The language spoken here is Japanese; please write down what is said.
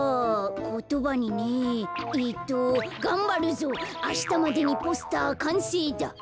えっと「がんばるぞあしたまでにポスターかんせいだ」。